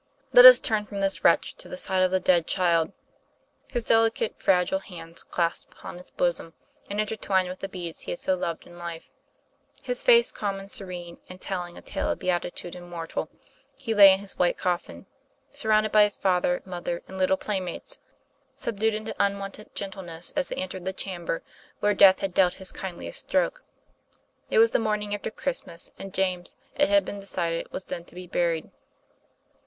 Let us turn from this wretch to the side of the dead child. His delicate, fragile hands clasped upon his bosom and intertwined with the beads he had so loved in life, his face calm and serene and telling a tale of beatitude immortal, he lay in his white coffin, surrounded by father, mother, and little playmates, subdued into unwonted gentleness as they entered the chamber where death had dealt his kindliest stroke. It was the morning after Christmas, and James, it had been decided, was then to be buried.